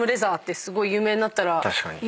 確かに。